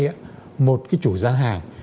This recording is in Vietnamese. thì một cái chủ gian hàng